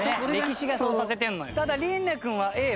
ただ琳寧君はＡは。